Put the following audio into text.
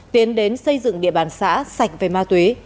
tiến đến xây dựng địa bàn xã sạch về ma túy